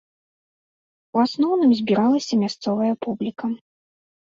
У асноўным збіралася мясцовая публіка.